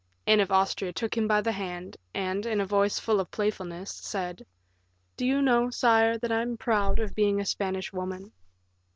Anne of Austria took him by the hand, and, in a voice full of playfulness, said, "Do you know, sire that I am proud of being a Spanish woman?"